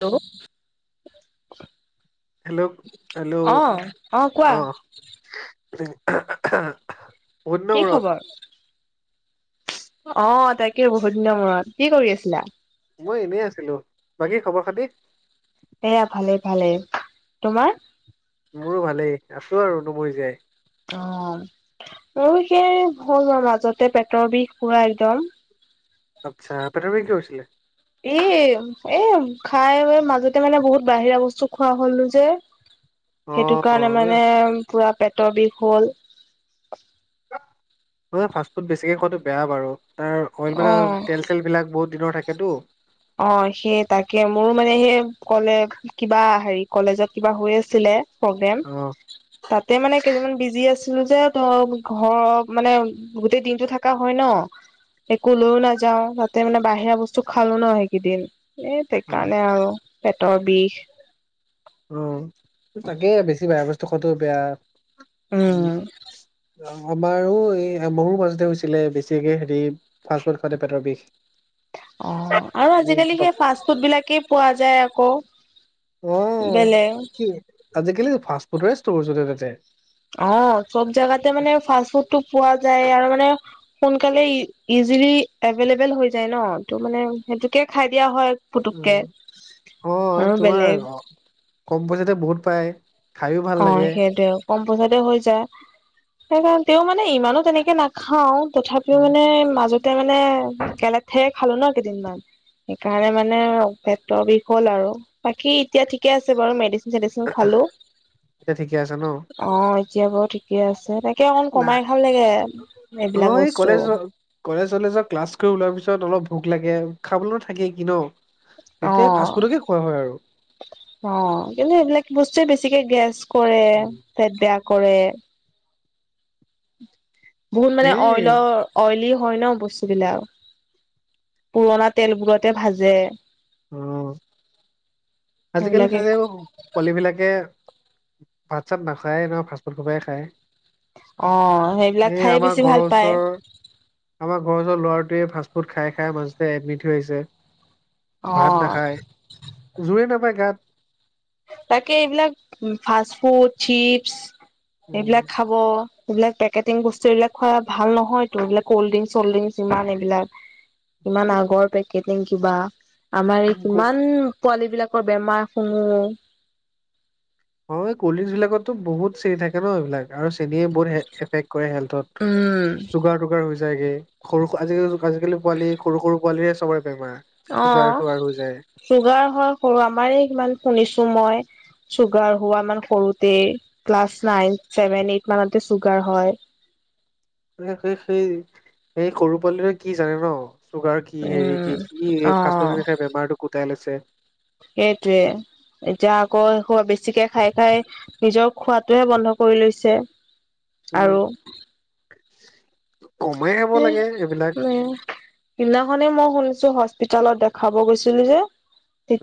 Hello! Hello! Hello! অ অ। বহুত দিনৰ কি মূৰত খবৰ? অ, তাকে, বহুত দিনৰ মূৰত। কি কৰি আছিলা? মই এনেই আছিলো। বাকী, খবৰ-খাতি? এয়া, ভালেই, ভালেই। তোমাৰ? মোৰো ভালেই, আছো আৰু নমৰি জীয়াই। অ, মোৰ সেই হ'ল মাজতে পেটৰ বিষ পুৰা একদম। আচ্ছা! পেটৰ বিষ কিয় হৈছিলে? এই এ, খাই মাজতে মানে বহুত বাহিৰা বস্তু খোৱা হ'লো যে। অ সেইটো কাৰণে মানে পুৰা পেটৰ বিষ হ'ল। হয়, ফাষ্টফুড বেছিকৈ খোৱাটো বেয়া বাৰু, তাৰ অইল অ মানে, তেল-চেল বিলাক বহুত দিনৰ থাকেতো। অ', সেই তাকে, মোৰো মানে সেই ক'লে। কিবা হেৰি, কলেজত কিবা হৈ আছিলে প্ৰগ্ৰেম। অ তাতে মানে, কেইদমান বিজি আছিলোঁ যে, ত' ঘৰৰ মানে গোতেটেই দিনটো থাকা হয় ন, একো লৈও নাযাওঁ, তাতে মানে বাহিৰা বস্তু খালো ন সেই একেইদিন, এই অ সেইকাৰণে আৰু পেটৰ বিষ। অ', তাকে বেছি বেয়া বস্তু খোৱাটো বেয়া। উম আমাৰো, এই মোৰো মাজতে হৈছিলে, বেছিকে হেৰি ফাষ্ট ফুড খাওতে পেটৰ বিষ। অ', আৰু মোৰ আজিকালি সেই, ডক- ফাষ্ট ফুড বিলাকেই পোৱা যায় আকৌ। অ', বেলেগ কি, আজিকালি ফাষ্ট ফুডৰে ষ্টৰ চলে তাতে। অ', চব জেগাতে মানে ফাষ্ট ফুডটো পোৱা যায়, আৰু মানে সোনকালে ইজিলি এভেইলেবল হৈ যায় ন, ত' মানে সেইটোকে খাই দিয়া হয়। পুতুককে আৰু অ', তোমাৰ বেলেগ কম পইচাতে বহুত পায়। খাইো ভাল লাগে অ', সেইটোৱে কম পইচাতে হৈ যায়, সেইকাৰণে, তেওঁ মানে ইমানো তেনেকে না খাও, তথাপিও উম, মানে, মাজতে মানে, একে লেথাৰিয়ে খালো ন, কেইদিনমান। সেইকাৰণে মানে, পেট বিষ হ'ল আৰু, বাকী এতিয়া ঠিকে আছে বাৰু, মেডি মেডিচিন খালো। এতিয়া, ঠিকে আছে ন। অ', এতিয়া বাৰু ঠিকে আছে, তাকে অকণ, না কমাই খাম লাগে, এইবিলাক বস্তু। কলেজ-চলেজৰ ক্লাছ কৰি ওলোৱাৰ পিছত অলপ ভোক লাগে, খাবলৈ নো থাকে কি ন। তেতিয়া ফাষ্ট অ', ফুডকে খোৱা হয় আৰু অ', কিন্তু এইবিলাক বস্তুৱে, বেছিকে গেছ- কৰে, উম, পেত বেয়া কৰে। বহুত মানে এই অইলৰ অইলি হয় ন বস্তু বিলাক, পুৰণা তেলবোৰতে ভাজে। অ'। আজিকালি সেইবিলাকে তাতে, পোৱালি বিলাকে ভাত-চাত নাখায় নহয়, ফাষ্টফুড সোপা হে খায়। অ সেইবিলাক এ, খাই আমাৰ বেছি ভাল ঘৰৰ পায় ওচৰৰ আমাৰ ঘৰৰ ওচৰৰ ল'ৰাটোৱে, ফাষ্টফুড খাই, খাই মাজতে এডমিট হৈ আহিছে। অ ভাত নাখায়, জোৰে নাপায় গাত। তাকে, এইবিলাক ফাষ্ট ফুড, চিপছ এইবিলাক খাব। এইবিলাক, পেকেটং বস্তু এইবিলাক খোৱা ভাল নহয়তো, এইবিলাক কল্ড ড্ৰিংছ-চল্ড ড্ৰিংছ ইমান এইবিলাক। ইমান আগৰ পেকেটিং কিবা। আমাৰ এই, উম কিমান পোৱালী বিলাকৰ বেমাৰ শুনো। হয়, কল ড্ৰিংকছ বিলাকতো বহুত চেনি থাকে ন, এইবিলাক আৰু চেনিয়ে বহুত এফেক্ট কৰে হেল্থত, উম চুগাৰ-তুগাৰ হৈ যায়গৈ, সৰু আজিকালি পোৱালি সৰু, সৰু পোৱালিৱে চ'বৰে বেমাৰ। চুগাৰ অ', তুগাৰ হৈ যায় চোগাৰ হয় সৰু, আমাৰে কিমান শুনিছোঁ মই। চুগাৰ হোৱা মানেই সৰুতেই, ক্লাছ নাইন, ছেভেন, এইট মানতে চুগাৰ হয়। সেই, সেই, সেই, সৰু পোৱালিটোৱে, কি জানে ন। চুগাৰ কি, হেৰি উম কি, কি এই অ ফাষ্টফুড খিনি খাই বেমাৰটো গোটাই লৈছে। সেইটোৱে, এতিয়া আকৌ এইসোপা বেছিকে খাই খাই নিজক খোৱাটোহে বন্ধ কৰি লৈছে, উম, আৰু কমাই [unintelligible] খাব লাগে এইবিলাক সেইদিনাখনে মই শুনিছোঁ, হস্পিতালত দেখাব গৈছিলো যে,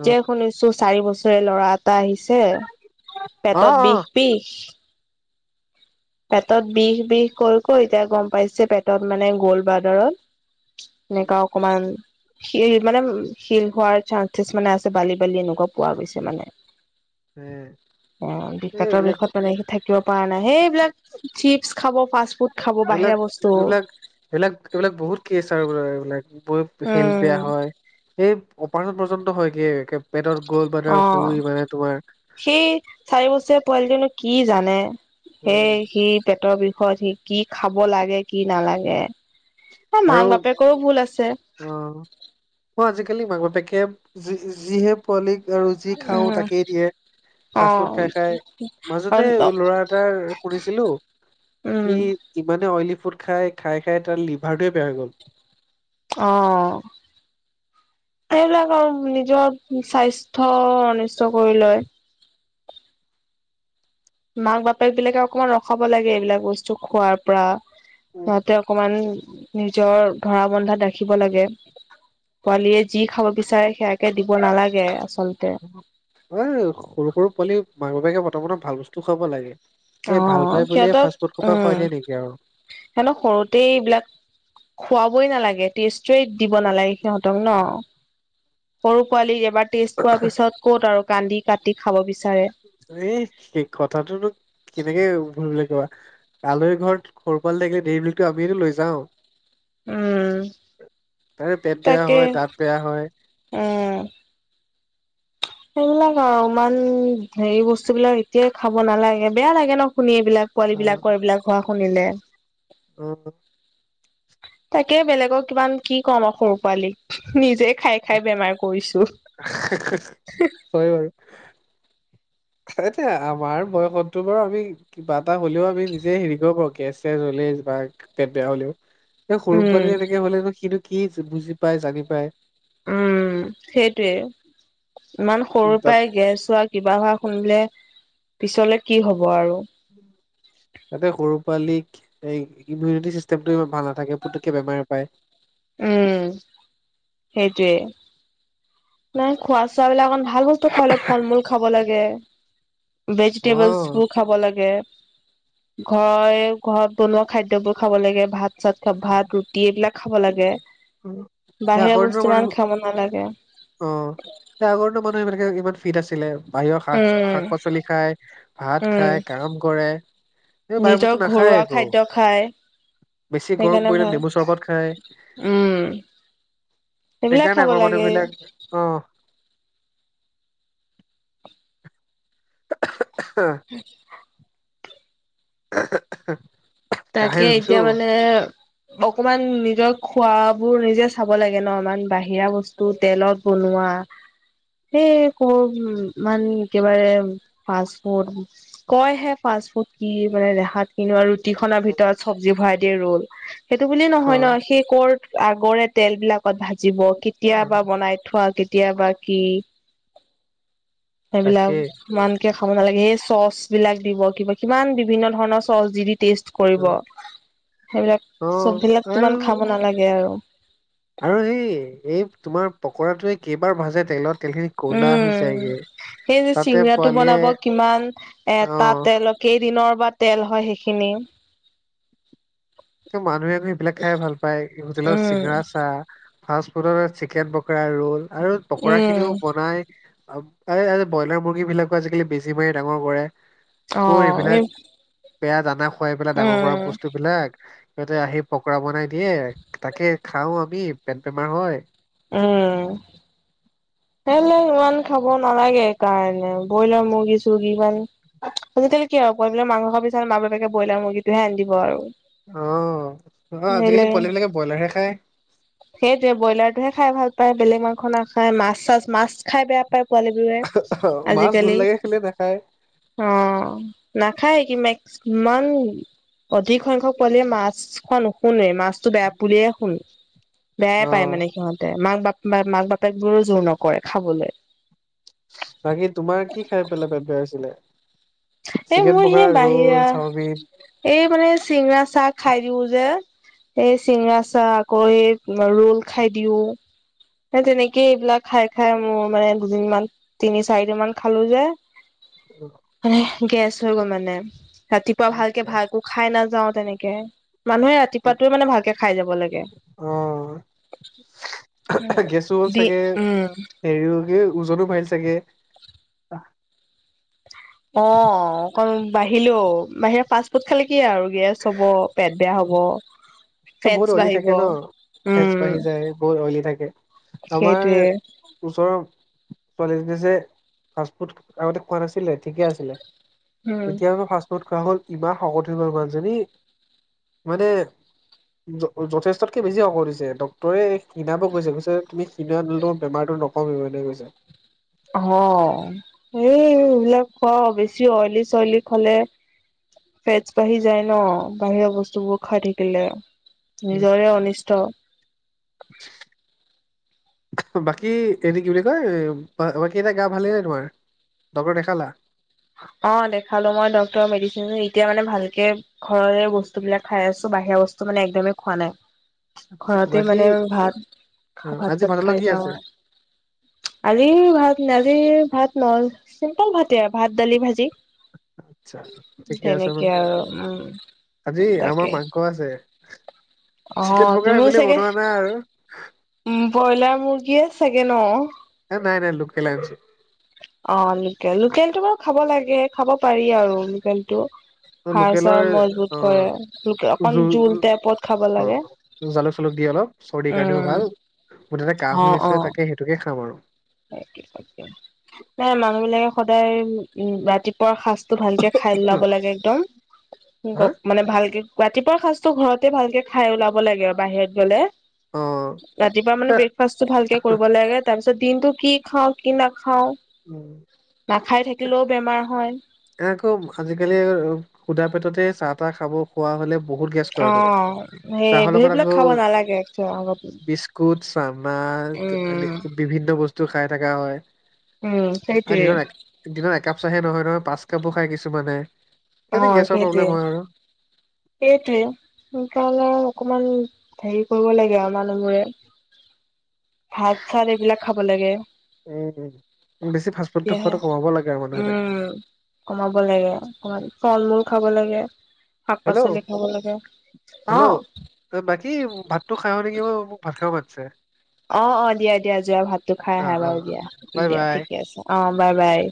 অ', শুনিছোঁ চ' চাৰি বছৰীয়া ল'ৰা এটা আহিছে, অ', পেটত অ', বিষ, বিষ পেটত বিষ বিষ কৈ কৈ এতিয়া গম পাইছে পেটত মানে গ'ল বাৰ্ডাৰত উম, এনেকুৱা অকমান শিল মানে শিল হোৱাৰ চাঞ্চেচ মানে আছে বালি বালি এনেকুৱা পোৱা গৈছে মানে। এ অ', পেটৰ এইবিলাক বিষত মানে সি থাকিব পৰা নাই, সেইবিলাক চিপচ খাব ফাষ্ট ফুড খাব এইবিলাক বাহিৰা বস্তু এইবিলাক এইবিলাক এইবিলাক বহুত কেছ আৰু এইবিলাক। হেল্থ বেয়া হয় এই অপাৰেচন পৰ্যন্ত হয়গে একে। পেটত অ গ'ল্ডবাল্ডাৰ হৈ মানে তোমাৰ সেই চাৰি বছৰীয়া পোৱালিটো নো, কি জানে হে উম সি পেটৰ বিষত সি কি খাব লাগে কি নালাগে, এ আৰু মাক বাপেকৰো ভুল আছে। অ', ম আজিকালি মাক বাপেকে যি, যিহে পোৱালিক আৰু যি খাওঁ উম তাকেই দিয়ে। অ ফাষ্ট ফুড খাই খাই মাজতে ল'ৰা এটাৰ শুনিছিলোঁ উম। ইমানে অইলী ফুড খাই, খাই খাই তাৰ লিভাৰটোৱে বেয়া হৈ গ'ল। অ'। এইবিলাক আৰু নিজৰ স্বাস্থ্য অনিষ্ট কৰি লয়। মাক বাপেক বিলাকে অকমান ৰখাব লাগে এইবিলাক বস্তু খোৱাৰ পৰা। সিহঁতে অকমান নিজৰ ধৰা বন্ধাত ৰাখিব লাগে পোৱালীয়ে যি খাব বিচাৰে সেয়া কে দিব নালাগে আচলতে। এ সৰু সৰু পোৱালিক মাক বাপেকে প্ৰথম প্ৰথম ভাল বস্তু খুৱাব লাগে। অ এ ভাল পাই বুলিয়ে সিহঁতক ফাষ্ট ফুড খোপা খুৱাই দিয়ে নেকি আৰু হেতক সৰুতে এইবিলাক খুৱাবই নালাগে, টেষ্টটোয়েই দিব নালাগে সিহঁতক ন? সৰু পোৱালী এবাৰ টেষ্ট পোৱাৰ পিছত ক'ত আৰু কান্দি কাটি খাব বিচাৰে। এ সেই কথাটোনো কেনেকে ভুল বুলি কোৱা আলহি ঘৰত সৰু পোৱালি থাকিলে দেৰি মিল্কটো আমিয়েটো লৈ যাওঁ। উম, তাৰে পেট বেয়া তাকে হয় দাঁত বেয়া হয়। উম। সেইবিলাক আৰু ইমান হেৰি বস্তু বিলাক এতিয়াই খাব নালাগে, বেয়া লাগে ন শুনি। বিলাক পোৱালি অ', বিলাকৰ এইবিলাক হোৱা শুনিলে। [unintelligible] তাকে বেলেগক কিমান কি কম আৰু সৰু পোৱালিক নিজে খাই খাই বেমাৰ কৰিছোঁ। হয় বাৰু। এয়া আমাৰ বয়সতটো বাৰু আমি কিবা এটা হ'লেও আমি নিজে হেৰি কৰিব পাৰোঁ, গেছ চেছ হ'লে বা পেট বেয়া হ'লেও। এ সৰু উম। পোৱালিৰ এনেকে হ'লে সিনো কি বুজি পাই জানি পায় উম সেইটোয়ে, ইমান উম, সৰুৰ তাত পৰাই গেছ হোৱা কিবা হোৱা শুনিলে পিছলে কি হ'ব আৰু উম তাতে সৰু পোৱালীক এই ইমিউনিটি চিষ্টেমটো ইমান ভাল নাথাকে পুটুককে বেমাৰে পায়। উম সেইটোৱে। নাই খোৱা চোৱাবিলাক অকমান ভাল বস্তু খাব লাগে, ফল মূল খাব লাগে। অ', ভেজিটেবলছ খাব লাগে, ঘ- ঘৰত বনোৱা খাদ্যবোৰ খাব লাগে, ভাত। চাত, খ-ভাত ৰুটি এইবিলাক খাব লাগে, উম, এই বাহিৰা আগৰ দিনৰ বস্তু মানুহ ইমান খাব নালাগে। অ, আগৰো মানুহে সনেকে ইমান ফিট আছিলে, বাহিৰৰ শাক, উম শাক-পাচলি খাই। ভাত উম খাই কাম কৰে, সেইবোৰ বাহিৰৰ নিজৰ বস্তু নাখায় ঘৰুৱা একো। খাদ্য খায় বেছি গৰম সেইকাৰণে পৰিলে ভাল নেমু চৰবত খায়। উম, সেইবিলাক সেইকাৰণে খাব আগৰ মানুহ লাগে। বিলাক অ [inaudible] [unintelligible] [inaudible] কাহে তাকে, হৈ গৈছো এতিয়া মানে অকমান নিজৰ খোৱাবোৰ নিজে চাব লাগে ন, ইমান বাহিৰা বস্তু তেলত বনোৱা। সেই ক'ৰ, ইমান একেবাৰে পাছপৰ্ট কয়হে ফাষ্টফুড কি মানে, দেখাত কিনো আৰু ৰুটিখনৰ ভিতৰত উম। চব্জি ভৰাই দিয়ে ৰল, সেইটো বুলি অ নহয় ন, সেই কৰ আগৰে তেলবিলাক। ত, ভাজিব, অ কেতিয়াবা বনাই থোৱা, কেতিয়াবা কি? সেইবিলাক তাকে ইমানকে খাব নালাগে, সেই চচবিলাক দিব, কিবা কিমান বিভিন্ন ধৰণৰ চচ, দি-দি টেষ্ট অ কৰিব, সেইবিলাক অ চববিলাক আৰু ইমান খাব নালাগে আৰু। আৰু সেই, এই তোমাৰ পকৰাটোৱে কেইবাৰ ভাজে তেলত তেলখিনি ক'লা হৈ উম, যায়গে সেই যে, তাতে চিঙৰাটো পোৱালিয়ে বনাব, কিমান এটা অ তেলত কেইদিনৰ বা তেল হয় সেইখিনি? মানুহে আকৌ সেইবিলাক খাই ভালপায়, এই হোটেলৰ উম চিঙৰা, চাহ। ফাষ্টফুডৰ চিকেন পকৰা, ৰোল আৰু উম পকৰাখিনিও বনাই এই ব্ৰইলাৰ মুৰ্গীবিলাকো আজিকালি বেজী মাৰি, ডাঙৰ কৰাই অ ক'ৰ এই এইবিলাক বেয়া, দানা খুৱাই পেলাই ডাঙৰ কৰা উম বস্তুবিলাক। সিঁহতে আহি পকৰা বনাই দিয়ে। তাকে খাওঁ আমি, পেট বেমাৰ হয়। উম, হলেও ইমান খাব নালাগে, এইকাৰণে ব্ৰইলাৰ, মুৰ্গী- চৰ্গী, ইমান আজিকালি কি আৰু পোৱালি মাংস, খাব বিচাৰিলে মা- বাপেকে ব্ৰইলাৰ মুৰ্গীটোহে আনি দিব আৰু। অ, অ, আজিকালি পোৱালিবিলাকে ব্ৰইলাৰহে খায়। সেইটোয়ে ব্ৰইলাৰটোহে খাই ভালপায়, বেলেগ মাংস নাখায়, মাছ-চাছ মাছ খাই বেয়া পায় পোৱালিবোৰে, অ' মাছ ভুল আজিকালি। লাগে খালে নাখায় অ, নাখায় কি [inaudible] অধিক সংখ্যক পোৱালীয়ে, মাছ খোৱা নুশুনোৱেই, মাছ টো, বেয়া বুলিয়ে শুনো। বেয়াই অ পাই মানে সি সিহঁতে, মাক- বাপেক, মাক বাপেকবোৰো জোৰ নকৰে খাবলে। বাকী, তোমাৰ কি খাই পেলাই পেট বেয়া হৈছিলে? এই চিকেন মোৰ সেই পকৰা, বাহিৰা ৰোল, চাওমিন? এই মানে চিঙৰা, চাহ খাই দিওঁ যে, এই চিঙৰা চাহ আকৌ এই ৰোল, খাই দিওঁ। হে, তেনেকে এইবিলাক খাই, খাই মোৰ মানে দুদিনমান তিনি-চাৰিদিনমান খালোঁ যে। [unintelligible] গেছ হৈ গ'ল মানে। ৰাতিপুৱা ভালকে আচ্ছা ভাত একো খাই নাযাওঁ তেনেকে। মানুহে ৰাতিপুৱাটোৱে মানে ভালকে খাই যাব লাগে। অ গেছো হ'ল দি চাগে, উম হেৰিও ওজনো বাঢ়িল চাগে? অ অকণ বাঢ়িলেও। বাহিৰা ফাষ্টফুড খালে কি আৰু গেছ হ'ব, পেট বেয়া হ'ব। ফেটছ বহুত অইলি বাঢ়িব থাকে ন। ফেটচ উম বাঢ়ি যায়, বহুত অইলি থাকে। আমাৰ সেইটোৱে ওচৰৰ ছোৱালীজনী যে ফাষ্টফুড আগতে খোৱা নাছিলে ঠিকে আছিলে উম তেতিয়ানো ফাফুড খোৱা হ'ল, ইমান শকত হৈ হ'ল মানুহজনী মানে য-যথেষ্টতকে বেছি শকত হৈছে। ডক্তৰে ক্ষীনাব কৈছে, কৈছে তুমি তেতিয়াহ'লেটো বেমাৰটো নকমিবই এনেকে কৈছে। অ এই এইবিলাক [unintelligible] বেছি অইলি-চইলি খালে ফেটছ বাঢ়ি যায় ন, বাহিৰৰ বস্তুবোৰ খাই থাকিলে। উম, নিজৰে অনিষ্ট [inaudible] বাকী এনে কি বুলি কয় বাকী এনে গা ভালেই নে তোমাৰ? ডক্তৰ দেখালা? অ দেখালো মই ডক্তৰৰ মেডিচিন এতিয়া মানে ভালকে ঘৰৰে বস্তুবিলাক খাই আছো বাহিৰা বস্তু মানে একদমেই খোৱা নাই। আচ্ছা ঘৰতে বাকী মানে ভাত, অ আজি ভাত-চাত ভাতৰ খাই লগত কি যাওঁ আছে আৰ। আজি ভাত নে আজি ভাত নহয় চিম্পল ভাতে আৰু ভাত, দালি, ভাজি। আচ্ছা ঠিকে আছে ন? তেনেকে আৰু উম। আজি তাকে আমাৰ মাংস আছে, অ চিকেন পকৰা তুমিও সেইবুলি চাগে বনোৱা নাই আৰু। উম ব্ৰইলাৰ মুৰ্গীয়ে চাগে ন। নাই নাই লোকেলে আনিছো। অ লোকেল, লোকেলটো বাৰু খাব লাগে খাব পাৰি আৰু লোকেলটো। অ', হাৰ-চাৰ লোকেলৰ মজবুত অ কৰে, লোকেল জো অলপ জোল টাইপত খাব অ লাগে। জালুক চালুক দি অলপ চৰ্দিৰ কাৰণেও উম ভাল, মুঠতে কাহ অ হৈ অ আছে তাকে সেইটোকে খাম আৰু। [unintelligible] নাই মানুহবিলাকে সদায় উম ৰাতিপুৱা সাজটো ভালকে খাই ওলাব লাগে একদম, হা গব মানে ভালকে ৰাতিপুৱাৰ সাজটো ঘৰতে ভালকে খাই ওলাব লাগে আৰু বাহিৰত গ'লে। অ ৰাতিপুৱা মানে এ ব্ৰেকফাষ্টটো ভালকে কৰিব লাগে তাৰপিছত দিনটো কি খাওঁ, কি নাখাওঁ, উম। নাখাই থাকিলেও বেমাৰ হয়। এ আকৌ আজিকালি সুধা পেটতে চাহ-তাহ খাব খোৱা হ'লে বহুত গেছ অ কৰেতো সেই চাহৰ লগত সেইবিলাক খাব নালাগে একদম আগতে কুত চানা বিভিন্ন বস্তু খাই থকা হয় উম আৰু সেইটোৱে দিনৰ দিনৰ একাপ চাহে নহয় নহয় পাঁচ কাপো খাই কিছুমানে। অহ সেইকাৰণে গেছৰ সেইটোৱে। প্ৰব্লেম হয় আৰু সেইটোৱে সেইকাৰণে আৰু অকমান হেৰি কৰিব লাগে আৰু মানুহবোৰে [inaudible] ভাত-চাত এইবিলাক খাব লাগে। উম উম বেছি ফাষ্ট ফুডটো তেতিয়াহে খোৱাটো কমাব লাগে আৰু মানুহ বিলাকে। উম কমাব লাগে অকণমান ফল মূল খাব লাগে। শাক হেল্ল' পাচলি খাব লাগে অ। হেল্ল' বাকী ভাতটো খাই আহো নেকি, মই মোক ভাত খাব মাতিছে। অ'অ' দিয়া, দিয়া যোৱা ভাততো খাই অ আহা অ বাৰু দিয়া বাই দিয়া বাই ঠিকে আছে, অ' বাই, বাই।